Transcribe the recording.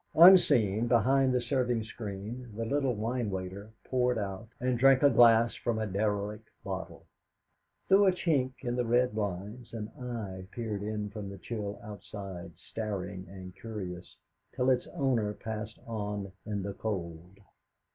Unseen, behind the serving screen, the little wine waiter poured out and drank a glass from a derelict bottle. Through a chink of the red blinds an eye peered in from the chill outside, staring and curious, till its owner passed on in the cold.